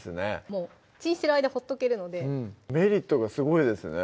もうチンしてる間ほっとけるのでメリットがすごいですね